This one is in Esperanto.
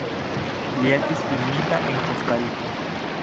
Li estis filmita en Kostariko.